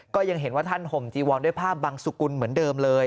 ก็ยังเห็นว่าท่านห่มจีวอนด้วยภาพบังสุกุลเหมือนเดิมเลย